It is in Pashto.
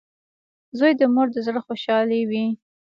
• زوی د مور د زړۀ خوشحالي وي.